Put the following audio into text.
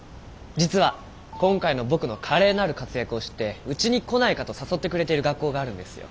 実は今回の僕の華麗なる活躍を知ってうちに来ないかと誘ってくれてる学校があるんですよ。